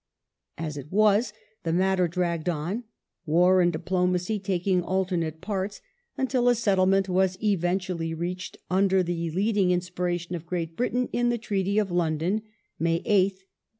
As it was, the matter dragge"d on, war and diplomacy taking alternate parts, until a settlement was eventually reached, under the leading inspiration of Great Britain, in the Treaty of London (May 8th, 1852).